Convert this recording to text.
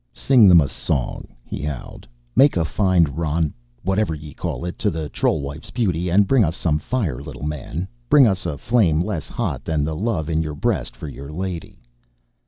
"Sing them a song," he howled. "Make a fine roun whatever ye call it to the troll wife's beauty. And bring us some fire, little man, bring us a flame less hot than the love in yer breast for yer lady!"